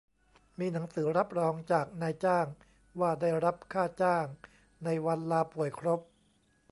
มีหนังสือรับรองจากนายจ้างว่าได้รับค่าจ้างในวันลาป่วยครบ